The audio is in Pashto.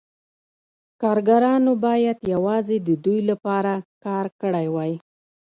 کارګرانو باید یوازې د دوی لپاره کار کړی وای